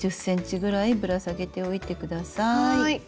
１０ｃｍぐらいぶら下げておいてください。